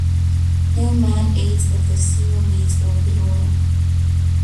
No man ate of the seal meat or the oil.